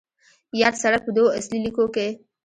یاد سړک په دوو اصلي لیکو کې